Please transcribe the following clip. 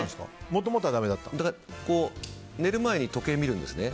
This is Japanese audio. だからこう、寝る前に時計を見るんですね。